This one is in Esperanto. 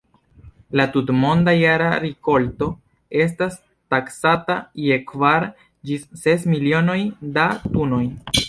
La tutmonda jara rikolto estas taksata je kvar ĝis ses milionoj da tunoj.